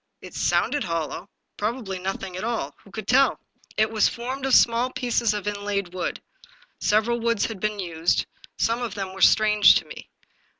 It sounded hollow ; probably nothing at all — ^who could tell ? It was formed of small pieces of inlaid wood. Several woods had been used; some of them were strange to me.